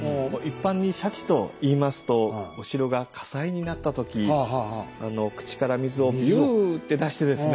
一般に「鯱」といいますとお城が火災になった時口から水をびゅって出してですね